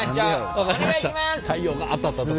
お願いします。